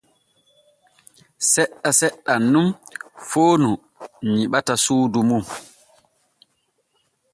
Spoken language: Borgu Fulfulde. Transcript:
Seɗɗa seɗɗa nun foonu nyiɓata suudu mum.